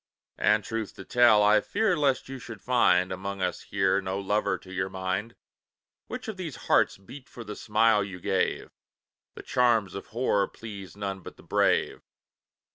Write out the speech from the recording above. And truth to tell, I fear lest you should find, Among us here, no lover to your mind; Which of these hearts beat for the smile you gave? The charms of horror please none but the brave.